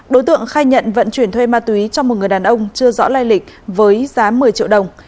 đối tượng khai nhận vận chuyển thuê ma túy cho một người đàn ông chưa rõ lai lịch với giá một mươi triệu đồng